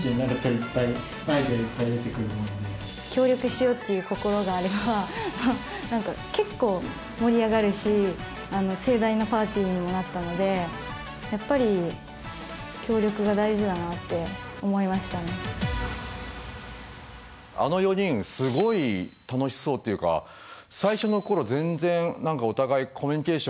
協力しようっていう心があれば何か結構盛り上がるし盛大なパーティーにもなったのでやっぱりあの４人すごい楽しそうっていうか最初の頃全然お互いコミュニケーション